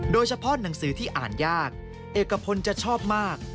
โดยเฉพาะหนังสือที่อ่านยากเอกพลจะชอบมาก